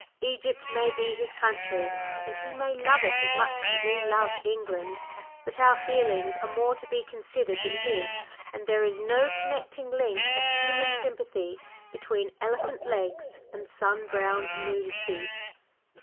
Egypt may be his country, and he may love it as much as we love England; but our feelings are more to be considered than his, and there is no connecting link of human sympathy between Elephant Legs and sun browned Nudity!